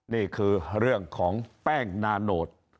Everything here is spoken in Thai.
นี่คือเรื่องของแป้งนาโนต